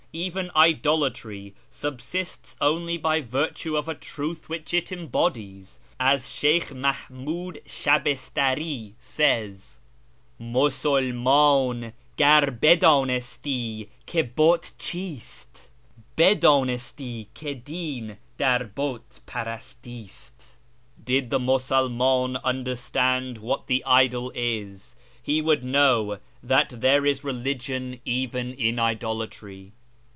Even Idolatry subsists only by virtue of a truth which it embodies, as Sheykh Mahmiid Shabistari says :—' M'usulmdn gar bi ddnisti hi hut cMst, Bi ddnisti ki din dar but parasttst.' ' Did the Musulmdn understand what the Idol is, He would know that tliere is religion even in idolatry.'